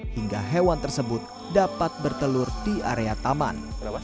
hingga hewan tersebut dapat bertelur di area taman